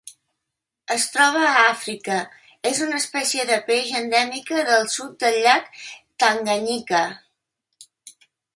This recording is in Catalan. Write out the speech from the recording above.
Es troba a Àfrica: és una espècie de peix endèmica del sud del llac Tanganyika.